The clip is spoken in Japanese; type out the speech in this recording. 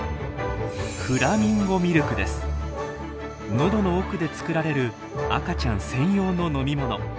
喉の奥で作られる赤ちゃん専用の飲み物。